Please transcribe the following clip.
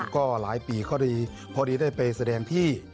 ก็หลายปีพอดีได้ไปแสดงที่